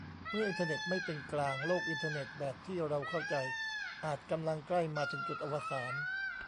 เมื่ออินเทอร์เน็ตไม่เป็นกลาง โลกอินเทอร์เน็ตแบบที่เราเข้าใจ อาจกำลังใกล้มาถึงจุดอวสาน